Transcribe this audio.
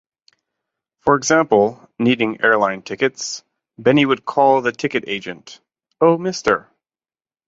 For example, needing airline tickets, Benny would call the ticket agent, Oh Mister?